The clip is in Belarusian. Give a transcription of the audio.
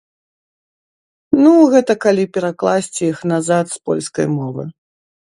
Ну, гэта калі перакласці іх назад з польскай мовы.